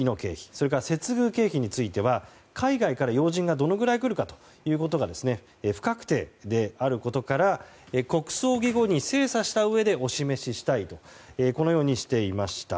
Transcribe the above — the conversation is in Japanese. それから接遇経費については海外から要人がどのくらい来るかということが不確定であることから国葬儀後に精査したうえでお示ししたいとこのようにしていました。